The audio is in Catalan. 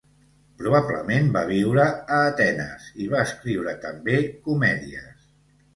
Probablement va viure a Atenes, i va escriure també comèdies.